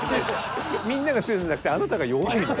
みんなが強いんじゃなくてあなたが弱いのよ。